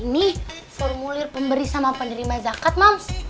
ini formulir pemberi sama penerima jakat mams